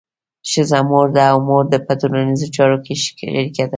ښځه مور ده او مور په ټولنیزو چارو کې شریکه ده.